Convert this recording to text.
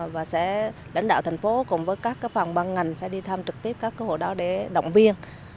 và sẽ lãnh đạo thành phố cùng với các phòng ban ngành sẽ đi thăm trực tiếp các cứu hộ đó để động viên